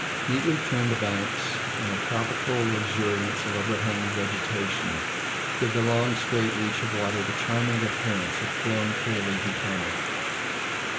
Neatly trimmed banks and a tropical luxuriance of overhanging vegetation give the long straight reach of water the charming appearance of flowing through a leafy tunnel.